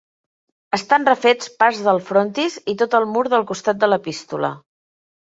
Estant refets part del frontis i tot el mur del costat de l'epístola.